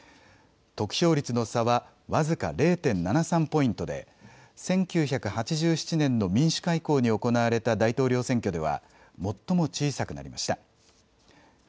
得票率の差は僅か０．７３ポイントで１９８７年の民主化以降に行われた大統領選挙では最も小さくなりました。